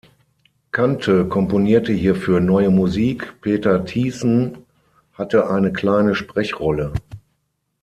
Kante komponierte hierfür neue Musik, Peter Thiessen hatte eine kleine Sprechrolle.